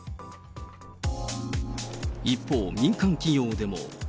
一方、民間企業でも。